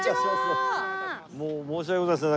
申し訳ございません。